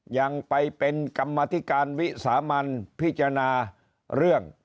ยังไปเป็นกรรมธิการวิสามันพิจารณาเรื่อง